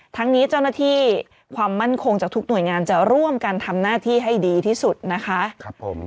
ทั้งนี้เจ้าหน้าที่ความมั่นคงจากทุกหน่วยงานจะร่วมกันทำหน้าที่ให้ดีที่สุดนะคะครับผม